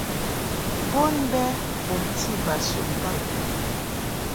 Bon bɛ bumti bas un bab.